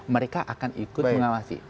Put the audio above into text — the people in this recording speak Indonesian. mereka akan ikut mengawasi